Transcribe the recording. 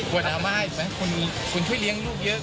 บทน้ำไม้คุณช่วยเลี้ยงลูกเยอะ